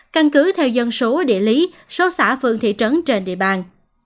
căn cứ theo dân số địa lý số xã phường thị trấn trên địa bàn